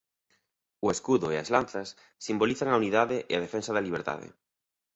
O escudo e as lanzas simbolizan a unidade e a defensa da liberdade.